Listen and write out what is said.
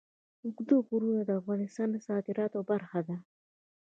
اوږده غرونه د افغانستان د صادراتو برخه ده.